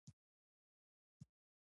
د زده کړې مور ښه کورنی چاپیریال جوړوي.